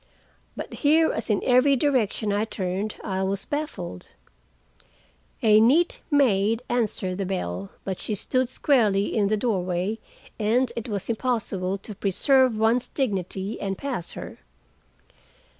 But here, as in every direction I turned, I was baffled. A neat maid answered the bell, but she stood squarely in the doorway, and it was impossible to preserve one's dignity and pass her.